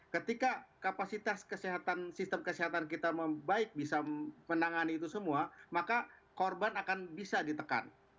ketika kapasitas sistem kesehatan kita membaik bisa menangani itu semua maka korban akan bisa ditekan